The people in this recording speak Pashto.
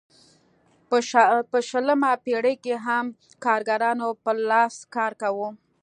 په شلمه پېړۍ کې هم کارګرانو پر لاس کار کاوه.